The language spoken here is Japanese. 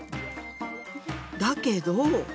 だけど。